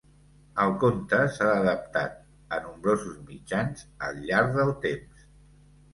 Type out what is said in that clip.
El conte s'ha adaptat a nombrosos mitjans al llarg del temps.